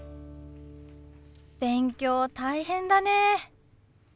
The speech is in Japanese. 勉強大変だね。